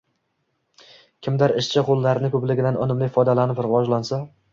Kimdir ishchi qo‘llari ko‘pligidan unumli foydalanib rivojlansa